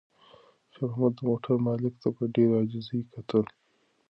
خیر محمد د موټر مالک ته په ډېرې عاجزۍ کتل.